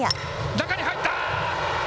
中に入った。